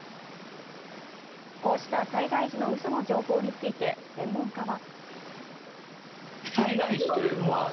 こうした災害時のうその情報について、専門家は。